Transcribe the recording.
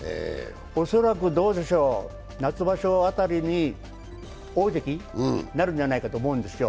おそらく、どうでしょう、夏場所あたりに大関になるんじゃないかと思うんですよ。